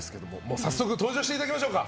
早速登場していただきましょうか。